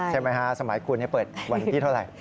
ใช่ไหมฮะสมัยคุณเปิดวันที่เท่าไหร่